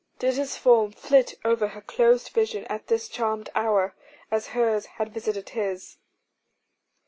Did his form flit over her closed vision at this charmed hour, as hers had visited his?